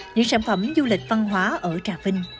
những sản phẩm du lịch văn hóa ở trà vinh